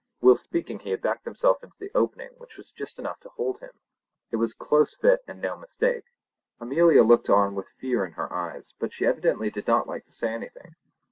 Whilst speaking he had backed himself into the opening which was just enough to hold him. It was a close fit and no mistake. Amelia looked on with fear in her eyes, but she evidently did not like to say anything.